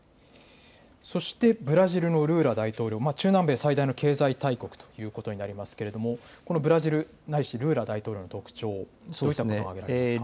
そしてブラジルのルーラ大統領、中南米最大の経済大国ということになりますが、このブラジルないしルーラ大統領の特徴はどういったことが挙げられますか。